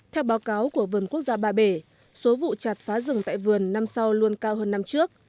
theo báo cáo của vườn quốc gia ba bể số vụ chặt phá rừng tại vườn năm sau luôn cao hơn năm trước